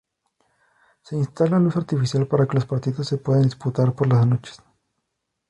Se instala luz artificial para que los partidos se puedan disputar por las noches.